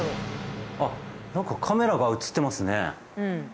何かカメラが映ってますね。